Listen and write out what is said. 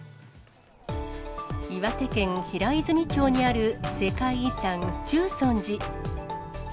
岩手県平泉町にある、世界遺産、中尊寺。